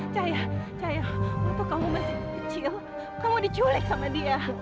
cahaya cahaya cahaya untuk kamu masih kecil kamu diculik sama dia